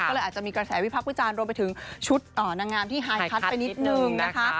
ก็เลยอาจจะมีกระแสวิพักษ์วิจารณ์รวมไปถึงชุดนางงามที่ไฮพัดไปนิดนึงนะคะ